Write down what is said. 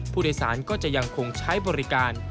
ผู้โดยสารก็จะยังคงใช้บริการ